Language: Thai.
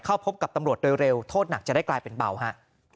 เข้าพบกับตำรวจโดยเร็วโทษหนักจะได้กลายเป็นเบาฮะ